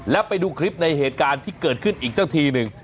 แล้วไปดูคลิปในเหตุการณ์ที่เกิดขึ้นอีกสักทีหนึ่ง